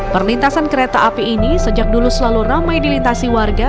perlintasan kereta api ini sejak dulu selalu ramai dilintasi warga